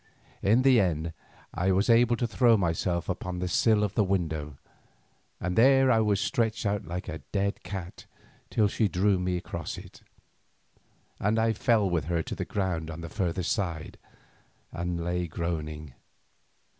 In the end I was able to throw myself upon the sill of the window, and there I was stretched out like a dead cat till she drew me across it, and I fell with her to the ground on the further side, and lay groaning.